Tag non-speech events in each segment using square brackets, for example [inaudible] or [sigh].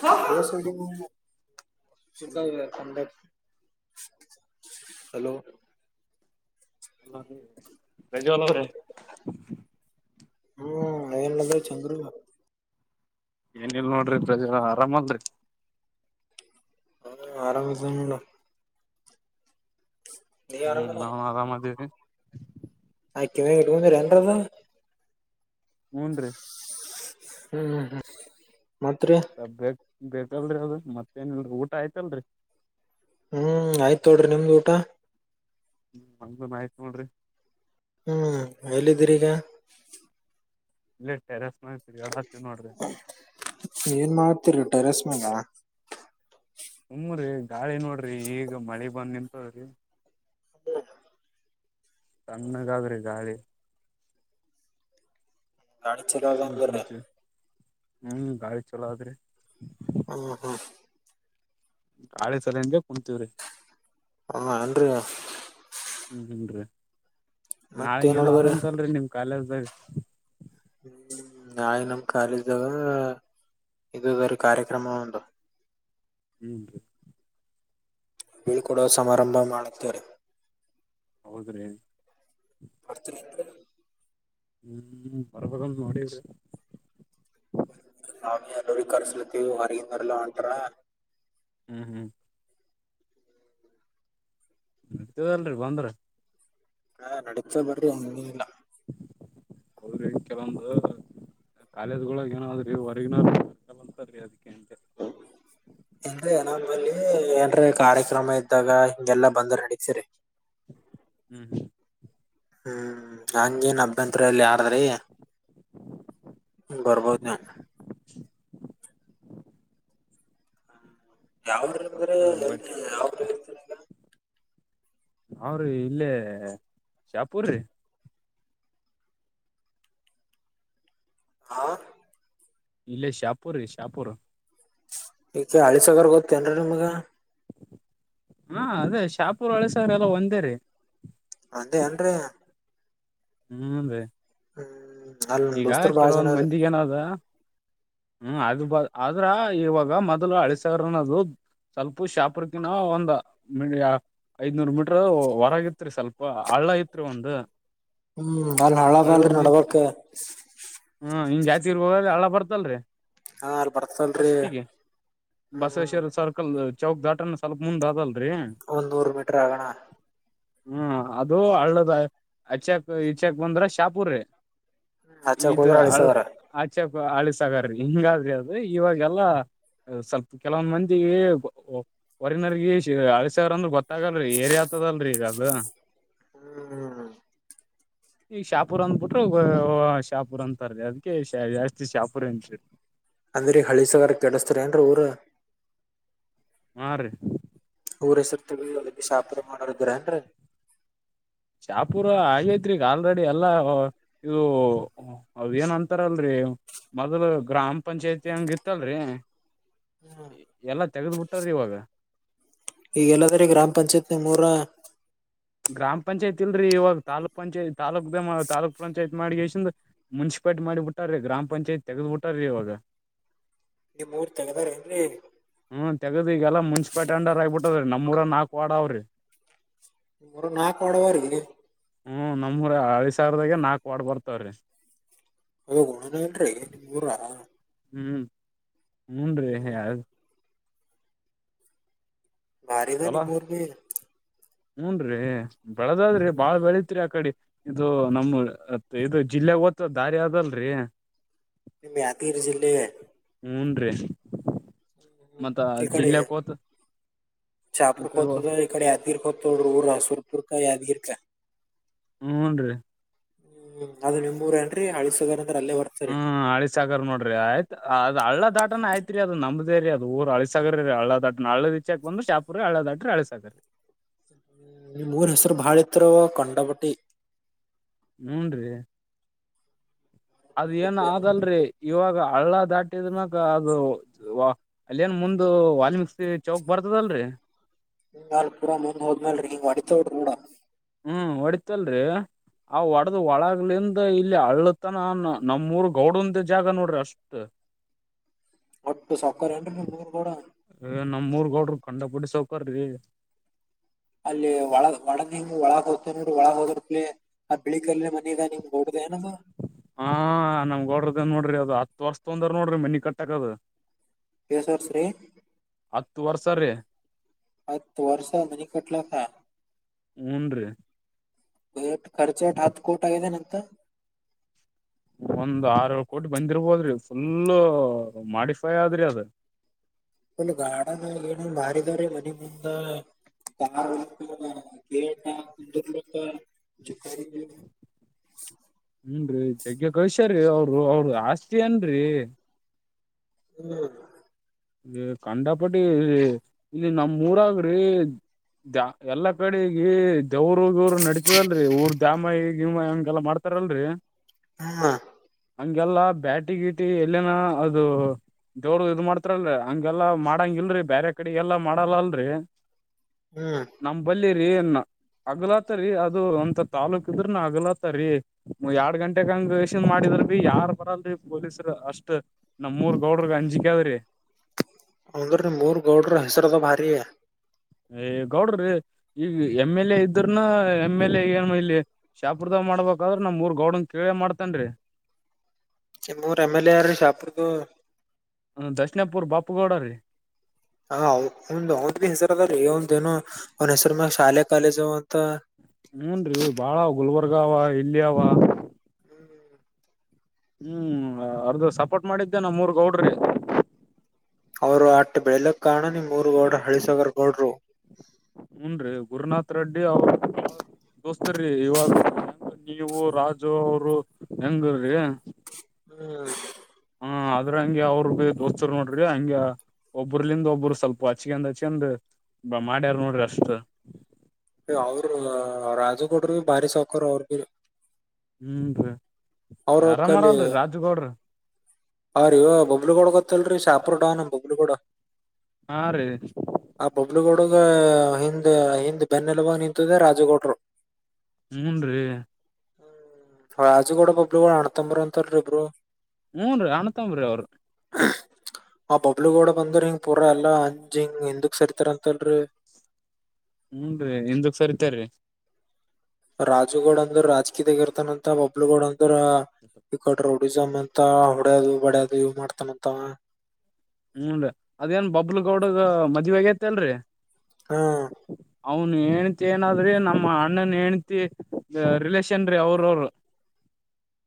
ಸ hello hello Prajwal ಅವ್ರೆ ಚಂದ್ರುನ ಏನಲ್ ನೋಡ್ರಿ ಪ್ರಜ್ವಲ್ ಅಣ ಆರಾಮಲ್ರಿ ನಾನು ಆರಾಮ ಇದೀನಿ ಹ್ಮ್ ಆರಾಮಲ್ಲ ನಾನ್ ಆರಾಮದೀವಿ ಆ ಕಿವ್ಯಾಗ್ ಇಟ್ಕೊಂಡ್ರೆ ಏನದು ಹೂನ್ ರಿ ಹ್ಮ್ ಹ್ಮ ಸ ಬ ಬೇಕಲ್ರಿ ಅದು ಮತ್ತೇನಲ್ರಿ ಊಟ ಆಯ್ತಲ್ರಿ ಹ್ಮ್ ಆಯ್ತ ತೊಡ್ರಿ ನಿಮ್ದ ಊಟ ಹ್ಮ ಮಂಗನ್ ಆಯ್ತ್ ನೋಡ್ರಿ ಹ್ಮ್ ಎಲ್ಲಿದ್ದೀರಿಗ ಇಲ್ಲ ಟೆರೆಸ್ ತಿ ಏನ್ ಮಾಡ್ತಿರ ಟೆರಸ್ ಮಾಗ ಹಮ್ಮ್ರರಿ ಗಾಳಿ ನೋಡ್ರಿ ಈಗ ಮಳಿ ಬಂದ್ ನಿಂತವ್ರಿ ಹೌ ಸಣ್ಣಗಾದ್ರಿ ಗಾಳಿ ಕಾಣ ಸುಮ್ ಚಲ್ಲಾಗಂಗರ್ರೆ ಕುಂತೀವಿ ಹ್ಮ್ ಗಾಡಿ ಚಲೋ ಆದದ್ರೆ ಹ್ಮ್ ಹ್ಮ್ ಗಾಳಿ ಸಲಂಗೆ ಕುಂತಿವ್ರಿ. ಹೂ ಅನ್ರಿ ಹ್ಮ್ ಹನ್ರಿ ನಾಳೆಗ ಏನ್ ಏನೋ ನಡದದ್ರಿ ಅದಂತ್ರಲ್ಲಿ ನಿಮ್ಮ ಕಾಲೇಜ್ದಾಗ - ಹ್ಮ ನಾಳೆ ನಮ್ ಕಾಲೇಜ್ದಾಗ ಇದು ಅದೇರಿ ಕಾರ್ಯಕ್ರಮ ಒಂದ್ ಹ್ಮ್ ರಿ ಬೀಳ್ಕೊಡುವ ಸಮಾರಂಭ ಮಾಡುತ್ತೇವ್ರಿ. ಹೌದ್ರೀ- [inaudible] ಹ್ಮ್ ಹೊರಗ ಬರೋವಾಗ ನೋಡಿಲ್ರಿ. ನಾವ ಎಲ್ಲರಿಗೂ ಕರ್ಸ್ಲತಿವ ಹೊರಗಿಂದವರೆಲ್ಲ ಹೊಂಟಾರ. ಹ್ಮ್ ಹ್ಮ್ ಇರ್ತೀವಅಲ್ರಿ ಬಂದ್ರ ಹಾ ನಡೀತದ ಬರ್ರಿ ಹಾಂಗೇನಿಲ್ಲ. ಹೌದ್ರಿ ಕೆಲವೊಂದು ಕಾಲೇಜ್ಗಳಳ ಏನೋದ್ರಿ ಹೊರ್ಗಿನರ್ [unintelligible] ಅಂತಾರೀ ಅದಕ್ಕೆ [unintelligible] ಇಲ್ರಿ ನಮ್ಮಬಲ್ಲಿ ಏನ್ರ ಕಾರ್ಯಕ್ರಮ ಇದ್ದಾಗ ಹಿಂಗೆಲ್ಲಾ ಬಂದ್ರ ನಡೀತದರಿ. ಹ್ಮ್ ಹ್ಮ್ ಹಂಗೇನ ಅಭ್ಯಂತರ ಇಲ್ರಿ ಯಾರದ್ರಿ - ಬರ್ಬೋದ ನೀವ. ಯಾವ್ದರು ಅಂದ್ರ ಮತ್ತ ಬಟ್ [unintelligible] ಯಾವ್ದರ - ನಾವ್ ರಿ ಇಲ್ಲೆರಿ ಶಾಪುರರಿ. ಹಾ ಇಲ್ಲೆ ಶಾಪುರಿ ಶಾಪೂರ್. ಇಚೆ ಹಳಿ ಸಾಗರ ಗೊತ್ತೇನ್ರೀ ನಿಮ್ಗ ಹ ಅದೇ ಶಾಪುರ್ ಹಳೆ ಸಾಗರ್ ಎಲ್ಲ ಒಂದೇ ರೀ. ಅದೇ ಅನ್ರೀ. ಹ್ಮ್ ರೀ ಹ್ಮ್ ಅಲ್ ನಮ್ ಈಗ ದೋಸ್ತರು ಬಾಳ ಜನ ಕೆಲವೊಂದ್ ರೀ ಮಂದಿಗ ಏನದ ಹ್ಮ್ ಅದ ಬ ಆದ್ರ ಇವಾಗ ಮೊದಲು ಹಳ ಸಾಗರನದು. ಸ್ವಲ್ಪ ಶಾಪರಕ್ಕಿನ ಒಂದ್ ಮ ಐದನೂರು ಮೀಟರ್ ಟರ ಹೊರಗಿತ್ರಿ ಸ್ವಲ್ಪ ಹಳ್ಳ ಇತ್ರಿ ಒಂದ ಹ್ಮ್ ಅಲ್ಲಿ ಹಳ್ಳ ಅದಲ್ರರಿ ನಡಬರ್ಕ್ ಹಾ ಹಿಂಗ ಹೆಜ್ಜೆ ಇರೋವಾಗ ಹಳ್ಳ ಬರ್ತಲ್ರಿ ಹಾ ಅಲ್ - ಬರ್ತಲ್ರಿ ಫಸ್ಟ್ಗೆ ಹ್ಮ್ ಹ್ಮ್ ಬಸವೇಶ್ವರ ಸರ್ಕಲ್ದ ಚೌಕ್ ದಾಟಾನ ಸ್ವಲ್ಪ ಮುಂದ ಆದಲ್- ಒಂದ್ ನೂರು ಮೀಟರ್ ಆಗಾಣ - ಹ್ಮ್ ಅದು ಹಳ್ಳದ ಅಚ್ಚಕ್ ಇಚಕ್ ಬಂದ್ರ ಶಾಪುರ್ರೀ- ಹಚ್ಚಕ್ ಇದು ಹೋದ್ರ ಹಳ್ಳ ಹಳಸಗಾರ ಆಚೆ ಹಳಿ ಸಾಗರರಿ ಹಿಂಗಾದ್ರಿ ಅದ್ರ ಇವಾಗೆಲ್ಲಾ ಸ್ವಲ್ಪ ಕೆಲವಂದ್ ಮಂದಿಗೆ ಹೊರಿನರ್ಗ ಹಳಿ ಸಾಗರ ಅಂದ್ರ ಗೊತ್ತಾಗಲ್ರಿ ಏರಿಯಾ ತದಲ್ರರಿ ಈಗ ಅದ - ಹ್ಮ್ ಈಗ ಶಾಪೂರ್ ಅಂದ ಬಿಟ್ರರ ಶಾಪುರ್ ಅಂತಾರಿ ಅದಕ್ಕೆ ಜಾಸ್ತಿ ಶಾಪುರ್ ಅನ್ರಿ. ಅಂದ್ರ ಹಳಿ ಸಾಗರ ಕೆಡಸ್ತಾರ ಏನ್ರಿ ಊರ - ಹಾ ರೀ. ಊರ ಹೆಸರು ತೆಗೆದ ಶಾಪುರ್ ಮಾಡೋರ ಇದ್ರ ಏನ್ರಿ. ಶಾಪೂರ ಆಗೇತ್ರಿೀಗ ಆಲ್ರೆಡಿ ಎಲ್ಲಾ ಇದು ಅವ ಏನ್ ಅಂತಾರಲ್ರರಿ ಮೊದ್ಲು ಗ್ರಾಮ ಪಂಚಾಯತಿ ಹೆಂಗಿತ್ತಲ್ರಿ ಎಲ್ಲ ತೆಗೆದ್ಬಿಟ್ಟಾರಿ ಇವಾಗ ಈಗೆಲ್ಲದ್ರ ಗ್ರಾಮ ಪಂಚಾಯತ್ ಮೂರ ಗ್ರಾಮ ಪಂಚಾಯತಿ ಇಲ್ರರಿ ಇವಾಗ ತಾಲೂಕ್ ಪಂಚಾಯತ್ ತಾಾಲೂಕ್ ತಾಲೂಕ್ ಪಂಚಾಯತ್ ಮಾಡಿ ಮುನ್ಿಪಲ್ ಿ ಮಾಡಿಬ ಬಿಟ್ಟಾರ್ರೀ ಗ್ರಾಮ ಪಂಚಾಯತ್ ತೆಗೆದ್ ಬಿಟಾರೀ ಇವಾಗ ನೀ್ ಮೂರ್ ತಗದಾರ ಏನ್ೀ ಹ್ಮ ತಗದು ಈಗೆಲ್ಲ ಮುನ್ಸಿಪಾಲ್ ಟಂಡರ್ ಆಗಿಬಿಟ್ಟದ್ರೀ ನಮ್ಮೂರ ನಾಕು ವಾಡ ಅವ್ರಿ ನಾಕು ಅಡವ ಹ್ಮ ನಮ್ಮ್ೂರ ಹಳಿ ಸಾವಿರದಾಗೆ ನಾಲ್ಕು ವಾರ್ಡ್ ಬರ್ತವ್ರೀ ಹಣನ ಇಲ್ರರಿ ಊರ ಹ್ಮ್ ಹೂಞನ್ ರೀ ಯಾವ್ದ ಬಾರಿಗ ನೀ ಮೂರ್ ಭ ಹೂನ್್ರೀ ಬೆಳದದ್ರಿ ಬಾಳ್ ಹ್ಮ್ ಬೆಳತ್ರಿ ಆ ಕಡೆ ಇದು ನಮತ್ ಇದು ಜಿಲ್ಲೆ ೋತ ದಾರಿ ಆದಲ್ರಿ ಮ್ಯಾತಿರ್ ಜಿಲ್ಲೆ ಮೂನ್ ್ಮ ಇಡೆ ಈ ಚಾಪುರ ಕಡೆ ಕೊತದ ಇಡೆ ಯದಿರ್ ಕೊತ ಊರ ಸುರ್ಪುರ್ಕ ಯಾದರ್ಕ ಹ್ಮೂನ್ ರೀ ಹ್ಮ್ ಅದು ನಿಮ್ಮೂರ ನ್ರರಿ ಅಳಿಸಗರ ಹ್ಮ್ ಹಳಿ ಸಾಕರ್ ನೋಡ್ರಿ ಆಯ್ತ ಅ್ ಹಳ್ಳ ದಾಟನ ಆಯ್ತ್ರಿ ಅದು ನಮ್ದೇ ರರಿ ಅದು ಊರು ಅಳಸಗ್ರರಿ ಹಳ್ಳ ದಾಟನ್ ಹಳ್ಳದ ಇಚ ಬಂದು ಶಾಪುರಿ ಹಳ್ಳ ದಾಟ್ರಿ ಕಳ ್ಮ ನಿ ಮೂನ್ ಹೆಸರು ಬಾಳ ಇತ್ರ ಕಂಡ ಬಟ್ಟಿ ಹೂನ್್ರೀ ಅದ ಏನ್ ಆಲ್ರಿ ಇವಾಗ ಹಳ್ಳ ದಾಟಿದನಕ ಅದು ಅಲ್ಲ ನ್ ಒಂದು ವಾಲ್ಮಿಕ್ಸಿ ಚೌಕ್ ಬರ್ತದಲ್ರರಿ ಹಲ್ ಪೂಾ ಮುಂದ್ ಹೋದ್ಮೇಲ್ರಿೀ ನೀ್ ಒಡಿತೋಡ್ರಿ ಕೂಡ ಹ್ಮ್ ಹೊಡಿತಲ್ರರಿ ಆ್ ಒಡೆದ ಒಳಗ್ಲಿಂದ ಇಲ್ಲಿ ಹಳ್ಳತನ ನಮ್ಮೂಊರ್ ಗೌಡಂದ ಜಾಗ ನೋಡ್ರಿ ಅಷ್ಟ ಒಟ್ಟು ಸಕರೆ ಅನ್ರಿ ನೀ ಮೂೂರ್ ಗೋಡ ನಮ್ೂರ್ಗೌಡ್ರ ಕಂಡಪುಡಿ ಸೌಕರಿ ಅಲ್ಲಿ ಒಳ ಒಳಗ ನಿಮ ಒಳಗ ಹ್ತರು ಒಳಗ ಹೋದಿರ್ಲಿ ಆ ಬೆಳಿಿಕಲ್ಲಿ ಮನಾಗ ನಿ್ ಹಾ ನಮಗೋಡ್ರದನ್ ನೋಡ್ರಿ ಅದು ಹತ್ ವರ್ಷ ತೊಂದ್ರ ನೋಡ್ರಿ ಮನಿ ಕಟ್ಟಕದ ಕೆಸರ್ ಶ್ರೀ ತುವರ್ಸಾರೆ ಆತ್ತು ವರ್ಷ ಅಂದನ ಕಟ್ಲ ಹೂನ್ ಟ್ ಖರ್ಚ ಎಟ್ ಹತ್ ಕೋಟ ಆಗಿದೆನೆಂತ ಒಂದ್ ಆರೂರು ಕೋಟಿ ಬಂದಿರ್ಬೋದ್ರಿ ಫುಲ್ಲ ಮಾಡಿಫೈ ಆದ್ರಿ ಅದ ಒಲ್ ಗಾಡನ ಏನನ್ ಬಾರಿದವ್ರೀ ಮನ ಮುಂದ ಕ ಹ್ಮನ್ ರೀ ಜಗ್ಗೆ ಕಳ್ಸ್ಯ ರೀ ಅವ ಅವರು ಆಸ್ತಿ ಏನ ರೀ ಹ್ಮ್ ಇ ಕಂಡಪಟ್ಟಿ ಇಲ್ಲಿ ನಮ್ಮ ಊರಾಗ್ರಿ ಜ ಎಲ್ಲಾ ಕಡೆಗ ದೇವ್ರು ಗವ್ರು ನಡತದಲ್ರರಿ ಊರ್ ದ್ಯಾಮಹ ಹಿಮ ಹೆಗೆಲ್ಲ ಮಾಡ್ತಾರಲ್ರರಿ ಹ್ಮ ಹಂಗೆಲ್ಲಾ ಬ್ಯಾಟಿಗಿಟ್ಟಿ ಎಲ್ಲಿನ ಅದು ದವರು ಇದ ಮಾಡ್ತ ಹತ್ರಲ್ರಿ ಹಗೆಲ್ಲಾ ಮಾಡಂಗ ಇಲ್ರರಿ ಬೇರೆ ಕಡೆಗೆಲ್ಲಾ ಮಾಡಲ್ಲ ಅಲ್ರರಿ ಹ್ಮ್ ನಮ ಬಲ್ಲಿ ರೀ ಹಗಲಾತರಿ ಅದು ಒಂತ ತಾಲೂಕ್ ಇದ್ರ ನ ಹಗಲಾತರಿಎರಡ್ ಗಂಟೆಗಂಗಷನ್ ಮಾಡಿದ ಇದ್ರ ಬಿ ಯಾರ್ ಬರಲ್ರಿ ಪೊಲೀಸರು ಅಷ್ಟ್ ನಮ್ ಮೂರ್ ಗೌಡ್ರ ಅಂಜಿಕೆ ಅದ್ರೀ ಹೌದ್ರೀ ನಿಮ್ಮೂರ್ ಗೌಡ್ರು ಹೆಸರ ಭಾರಿ ಗೌಡ್ರೀ ಈಗ ಎಮ್ ಎಲ್ ಎ ಇದ್ರನಾ ಎಮ್ ಎಲ್ ಎ ಏನ್ ಇಲ್ಲಿ ಶಾಪುರ್ದ ಮಾಡಬೇಕಾದ್ರೆ ನಮ್ಮಉರಗೌಡನ್ ಕೇಳೇ ಮಾಡ್ತನ್ರೀ ನಿಮ್ಮೂರು ಎಮ್ ಎಲ್ ಎ ಯಾರ ರೀ ಶಹಪುರ್ದು ಹ ದಕ್ಷಿಣಪುರ್ ಬಾಪುಗೌಡ ರೀ ಹ ಒಂದ್ ಅವಂದ್ ಭ ಹೆಸರು ಅದ್ರೀ ಅವಂದ ಏನು ಅವನ್ ಹೆಸ್ರ ಮ್ಯಾಗ ಶಾಲೆ ಕಾಲೇಜು ಅಂತ ಮುರ್ಗಾವ [unintelligible] ಇಲ್ಲಿಯಾವ ಹ್ಮ್ ಅರ್ದು ಸಪೋರ್ಟ್ ಮಾಡಿದ್ದೆ ನಾ ಮೂರ್ ಗೌಡ್ರಿ ಅವರು ಆಟ ಬೆಳಿಲಕ ಕಾರಣ ನೀ ಊರ ಗೋಡ್ರ ಹಳಿಸಗರ್ ಗೌಡರು ಹುನರಿ ಗುರುನಾಥ ರೆಡ್ಡಿ ಅವರು ದೋಸ್ತ್ರೀ ಇವಾಗ ಹೆಂಗ ನೀವು ರಾಜು ಅವರು ಹೆಂಗ್ರಿ ಹ್ಮ್ ಹ ಆದದ್ರ ಹಂಗೆ ಅವರು ದೋಸ್ತರು ನೋಡ್ರಿ ಹಂಗಗೆ ಒಬ್ರಲಿಂದ ಒಬ್ಬರು ಸ್ವಲ್ಪ ಹಚ್ಕಂದ ಹಚ್ಕಂದ ಬ ಮಾಡ್ಯಾರ ನೋಡ್ರಿ ಅಷ್ಟ ಅವರು ರಾಜು ಗೌಡ್ರಭಾರಿ ಸೌಕರ್ ಅವ್ರ ಭೀ ಹ್ಮ್ ಹ ಅವ್ರಕ್ಕಲಿ ಹ ಪಬ್ಲಿಗೌಡ ಒಡ್ಗೊತ್ತಲ್ರರಿ ಶಾಪ ಪ್ರಡಾನ ಬಬ್ಲುಗೌಡ ಹಾ ರೀ ಆ ಬಬ್ಲುಗಡದ ಹ ಹಿಂದ್ ಬೆನ್ನೆಲುುವಾಗ ನಿಂತಿದೆ ರಾಜಗೌಡರು ಹುನರಿ ರಾಜುಗೌಡ ಬಬ್ಲುಗೌಡ ಅಣ್ಣ ತಂಬರು ಅಂತಾರ ಇಬ್ರು ಹೂಞ ರೀ ಅನತಂಬ್ರೀ ಅವ್ರು ಹ [unintelligible] ಆ ಬಬ್ಲುಗೌಡ ಬಂದ್ರ ಹಿಂಗ ಪೂರ ಎಲ್ಲಾ ಅಂಜ್ ಹಿಂಗ ಎಿಂದಕ್ ಸರಿತಾರಂತಲ್ರರಿ [unintelligible] ಹೂಞನ್ ರೀದಕ ಸರಿತಾರೀ [unintelligible] ರಾಜುಗೌಡ ಅಂದ್ರ ರಾಜಕೀದಗ ಇರ್ತಾನಂತ ಬಬ್ಲುಗೌಡ ಅಂದ್ರ ಈ ಕೊ ರೌಡಿ [unintelligible] ಜಮಾ ಅಂತ ಹೊಡ್ಯದು ಬಡ್ಯದು ಇವ್ ಮಾಡ್ತಾನಂತ ಅವ ಹ್ಮನ್ರಿ ಅದೇನ್ ಬಬ್ಲು ಗೌಡಗ ಮದ್ವೆಗ ತೆ ಅಲ್ರರಿ ಹ್ಮ ಹೆಳ್ತಿ ಏನಾದ್ರಿ ನಮ್ಮ ಅಣ್ಣನ್ ಹೆೇಳ್ತಿ ರಿಲೇಷನ್ ರರಿ ಅವ್ರ ಅವರು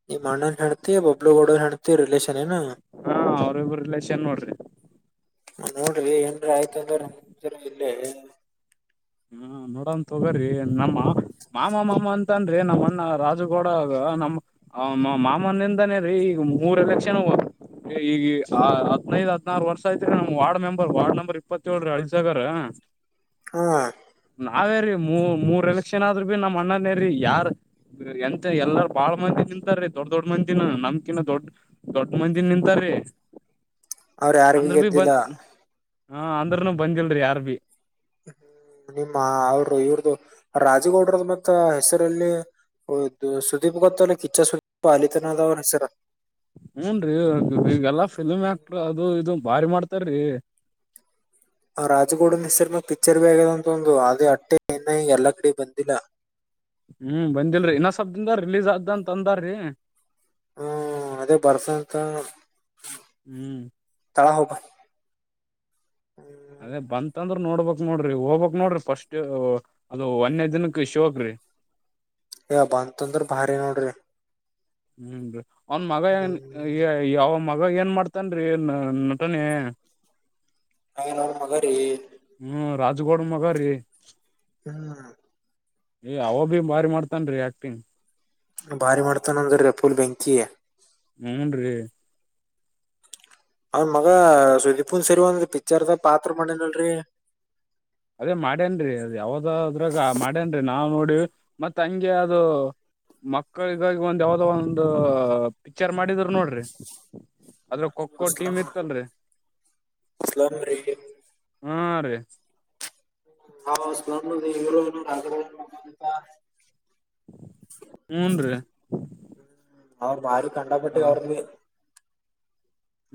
ನೀವು ಅಣ್ಣನ್ ಹೆಂಡ್ತಿ ಬಬ್ಲೂಗೌಡನ ಹೆಂಡ್ತಿ ರಿಲೇಷನ್ ಹಾ ಅವ್ರ ಇಬ್ರು ರಿಲಷನ್ ನೋಡ್ರಿ ನೋಡ್ರಿ ಏನ್ರ ಆಯ್ತಂದ್ರಸರ ಇಲ್ಲೇ ಹಾ ನೋಡನ್ ತಗ್ರಿ ನಮ್ಮ ಮಾಮ ಮಾಮ ಅಂತನ್ ನಮ್ಮನ್ನ ರಾಜುಗೌಡಗ ನಮ್ಮ್ ಮಾಮನಿಂದಾನೇ ರೀ ಈಗ ಮೂರ ಲಕ್ಷನ ಈಗ ಹದನೈದು ಹದಿನಾರು ವರ್ಷ ಐತ್ರಿ ನಮ್ ವಾರ್ಡ್ ಮೆಂಬರ್ ವಾರ್ಡ್ ನಂಬರ್ ಇಪ್ಪತ್ತ ಏಳ್ರ ಅಳಸಾಗರ್ ಹಾ ಅವೇರೀ ಮೂ ಮೂರ್ ಎಲೆಕ್ಷನ್ ಆದ್ರರು ಭ ನಮ್ಮ ಅ್ಣನೇೀ ಯಾರ್ ಎಂತ ಎಲ್ಲಾರ ಬಾಳ್ ಮಂದಿ ನಿಂತಾರೀ ದೊಡ್ ದೊಡ್ಡ ಮಂದಿನ ನಮ್ಕಿನ ದೊಡ್ಡ ದೊಡ್ಡ ಮಂದಿನ ನಿಂತಾರ ರೀ ಅವ್ರ ಯಾರಿಗೆಗದ್ದಿಲ್ಲ ಹಾ ಅಂದ್ರನು ಬಂದಿಲ್ರಿ ಯಾರ್ ಭಿ ಹ್ಮ್ ನಿಮ್ಮ ಅವರು ಇವ್ರ್ದ ರಾಜು ಗೌಡ್ರ ಮತ್ತ ಹೆಸರಲ್ಲಿ ಹೌದದು ಸುದೀಪ್ ಗೊತ್ತ ಅಲ್ಲ ಕಿಚ್ಚ ಸುದೀಪ್ ಅಲಿತನದ ಅವ್ ಹೆಸರ ಹೂನ್ರರಿ ಈಗೆಲ್ಲಾ ಫಿಲ್ಮ್ ಆಕ್ಟ್ರ ಅದು ಇದು ಬಾರಿ ಮಾಡ್ತಾರೀ ಆ ರಾಜಗೋಡನ್ ಹೆಸರ್ನಾಗ ಪಿಕ್ಚರ್ ಬ ಆಗದ ಅಂತ ಒಂದು ಅದೇ ಅಟ್ಟೆ ಏನ ಈ ಎಲ್ಲಾ ಕಡೆ ಬಂದಿಲ್ಲ ಹ್ಮ್ ಬಂದಿಲ್ರಿ ಇನ್ನಸಬ್ದಿಂದ ರಿಲೀಸ್ ಆದ್ದ ಅಂತ ಅಂದಾರ್ರಿ ಹ್ಮ್ ಅದೇ ಬರ್ಸಂತ ಹ್ಮ್ ತಳಹೋಗ ಅದೇ ಬಂತಂದ್ರ ನೋಡ್ಬಕ್ ನೋಡ್ರಿ ಹೋಗ್ಕ್ ನೋಡ್ರಿ ಫಸ್ಟ್ ಅದು ಒನ್ನೆ ದಿನಕ್ ಶಿವಗ್ರಿ ಬಂತಂದ್ರ ಭಾರಿ ನೋಡ್ರಿ ಹ್ಮ್ ಅವನ್ ಮಗ ಏನ್ ಹ್ಮ್ ಯಾವ ಮಗ ಏನ್ ಮಾಡ್ತನ್ರೀ ನಟನೆ [unintelligible] ಮಗರಿ ರಾಜಗೌಡನ ಮಗರಿ ಹ್ಮ್ ಏ ಅವ ಭೀ ಬಾರಿ ಮಾಡ್ತಾನ್ರೀ ಆಕ್ಟಿಂಗ್ ಭಾರಿ ಮಾಡ್ತಾನ ಅಂದ್ರರೀ ಪುಲ್ ಬೆಂಕಿ ಹುನ್ರಿ ಅವ್ರ ಮಗ ಸುದೀಪ್ನು ಸೇರಿ ಒಂದ ಪಿಕ್ಚರ್ದ ಪಾತ್ರ ಮಾಡಿದಲ್ರರಿ ಅದೇ ಮಾಡ್ಯನ್ರಿ ಅದ ಮತ್ತ ಹಂಗೆ ಅದು ಮಕ್ಕಳಿಗಾಗಿ ಒಂದ್ ಯಾವ್ದೋ ಒಂದು ಪಿಕ್ಚರ್ ಮಾಡಿದ್ರ ನೋಡ್ರಿ ಅದ್ರಲ್ಲಿ ಖೋಖೋ ಟೀಮ್ ಸ್ಲಮ್ ಇತ್ತಲ್ರಿ ಸ್ಲಮ್ ರೀ ಹಾ ರೀ [unintelligible] ಹುನ್ರಿ ಅವರು ಭಾರಿ ಕಂಡಪಟ್ಟೆ ಅವ್ರಿಗೆ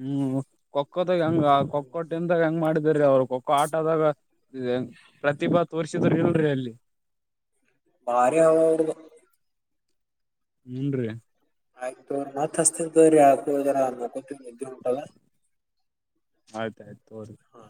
ಹ್ಮ್ ಖೋಖೋದಾಗ ಹಂಗ ಹ್ಮ್ ಖೋಖೊ ಟೀಮ್ದಾಗ ಹೆಂಗ್ ಮಾಡಿದ ಅವ್ರು ಖೋ ಖೋ ಆಟ ಆದಾಗ ಏನ್ ಪ್ರತಿಭಾ ತೋರ್ರಿಸಿದ್ರ ಹ್ಮ್ ಇಲ್ರರಿ ಅಲ್ಲಿ ಭಾರಿ ಅವ ಹುಡುಗ ಹುನ್ರಿ ಆಯ್ತು [unintelligible] ಆಯ್ತಾಯ್ತು ತೋರಿ ಹಾ.